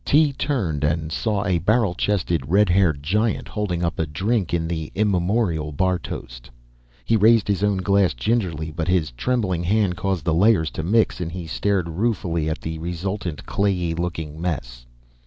Tee turned and saw a barrel chested red haired giant holding up a drink in the immemorial bar toast. He raised his own glass gingerly, but his trembling hand caused the layers to mix and he stared ruefully at the resultant clayey looking mess.